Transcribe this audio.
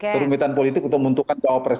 kerumitan politik untuk menentukan cawapres